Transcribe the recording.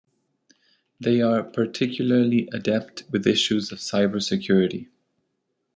They are particularly adept with issues of cyber security.